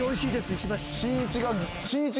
石橋。